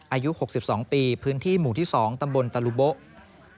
อายุ๖๒ปีพื้นที่หมู่ที่๒ตำบลตะลุโบ๊ะ